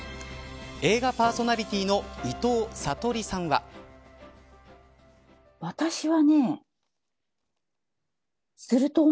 映画パーソナリティの伊藤さとりさんは。